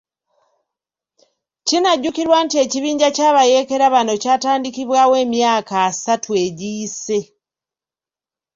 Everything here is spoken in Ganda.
Kinajjukirwa nti ekibinja ky'abayeekera bano kyatandikibwawo emyaka asatu egiyise.